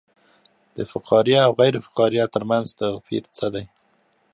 د فقاریه او غیر فقاریه ترمنځ توپیر څه دی